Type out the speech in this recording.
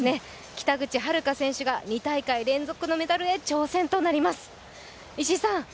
北口榛花選手が２大会連続のメダルへ挑戦となります。